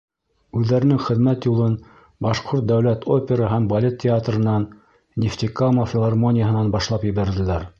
Үҙҙәренең хеҙмәт юлын Башҡорт дәүләт опера һәм балет театрынан, Нефтекама филармонияһынан башлап ебәрҙеләр.